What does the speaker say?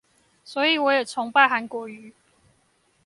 所以我也崇拜韓國瑜